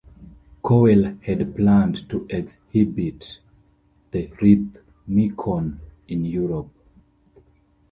Cowell had planned to exhibit the rhythmicon in Europe.